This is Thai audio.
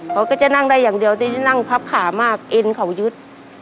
เขาก็จะนั่งได้อย่างเดียวที่นั่งพับขามากเอ็นเขายึด